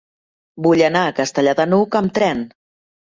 Vull anar a Castellar de n'Hug amb tren.